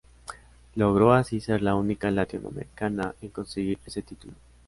Logró así ser la única latinoamericana en conseguir ese título.